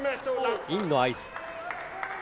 インの合図。